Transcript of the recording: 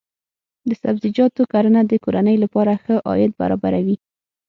د سبزیجاتو کرنه د کورنۍ لپاره ښه عاید برابروي.